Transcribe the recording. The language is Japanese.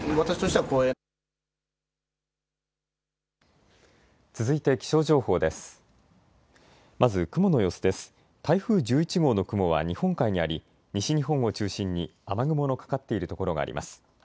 台風１１号の雲は日本海にあり西日本を中心に雨雲のかかっている所があります。